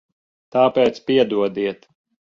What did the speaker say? Tāpēc piedodiet.